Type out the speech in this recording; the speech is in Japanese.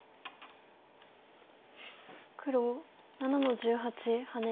黒７の十八ハネ。